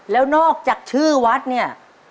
แล้วนอกจากชื่อวัดเนี่ย